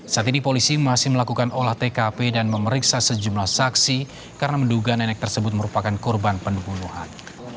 saat ini polisi masih melakukan olah tkp dan memeriksa sejumlah saksi karena menduga nenek tersebut merupakan korban pembunuhan